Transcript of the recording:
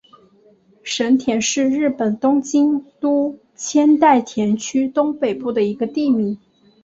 神田是日本东京都千代田区东北部的一个地名。